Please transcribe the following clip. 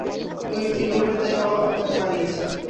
এই রোলটাতে এবার আপনাকে মানিয়েছে!